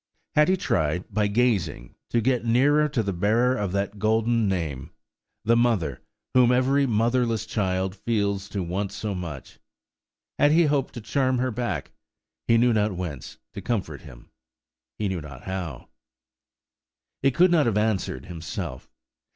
Had he tried, by gazing, to get nearer to the bearer of that golden name–the mother, whom every motherless child feels to want so much? Had he hoped to charm her back, he knew not whence, to comfort him, he knew not how? He could not have answered himself.